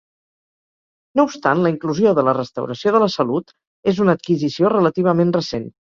No obstant la inclusió de la restauració de la salut és una adquisició relativament recent.